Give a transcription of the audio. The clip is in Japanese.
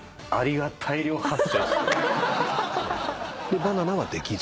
でバナナはできず？